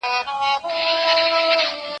نه چاره یې په دارو درمل کېدله